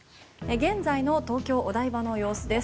現在の東京・お台場の様子です。